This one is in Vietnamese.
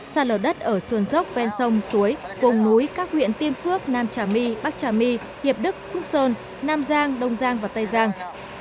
xa lở đất ở sườn dốc ven sông suối vùng núi các huyện tiên phước nam trà my bắc trà my hiệp đức phúc sơn nam giang đông giang và tây giang